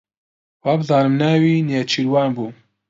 وابزانم ناوی نێچیروان بوو.